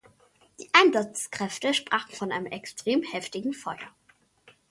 Die Einsatzkräfte sprachen von einem extrem heftigen Feuer.